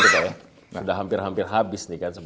sudah hampir hampir habis